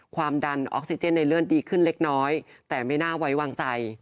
ความดันออกซิเจนในเลือดดีขึ้นเล็กน้อยแต่ไม่น่าไว้วางใจ